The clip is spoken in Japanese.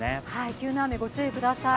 急な雨、ご注意ください。